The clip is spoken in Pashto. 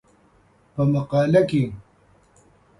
په مقاله کې